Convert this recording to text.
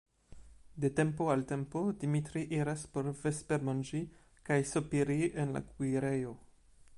De tempo al tempo Dimitri iras por vespermanĝi kaj sopiri en la kuirejo.